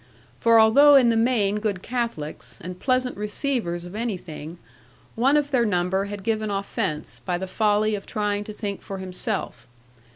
For although in the main good Catholics, and pleasant receivers of anything, one of their number had given offence, by the folly of trying to think for himself.